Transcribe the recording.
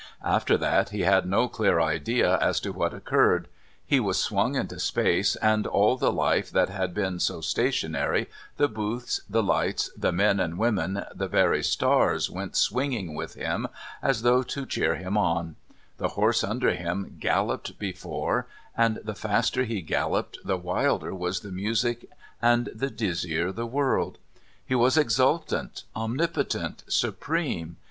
After that he had no clear idea as to what occurred. He was swung into space, and all the life that had been so stationary, the booths, the lights, the men and women, the very stars went swinging with him as though to cheer him on; the horse under him galloped before, and the faster he galloped the wilder was the music and the dizzier the world. He was exultant, omnipotent, supreme.